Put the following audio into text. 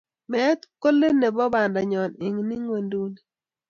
Meet ko let nebo bandanyo eng ingwenduni.